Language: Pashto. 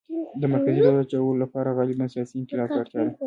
د مرکزي دولت جوړولو لپاره غالباً سیاسي انقلاب ته اړتیا ده